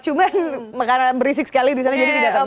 cuma karena berisik sekali di sana jadi tidak terdengar